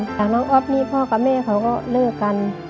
หลังน้องอ๊อฟนี้พ่อกับแม่เขาก็เลิกกัน